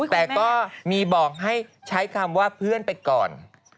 แต่ก็มีบอกให้ใช้คำว่าเพื่อนไปก่อน